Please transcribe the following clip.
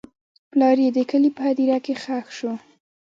پلار یې د کلي په هدیره کې ښخ شو.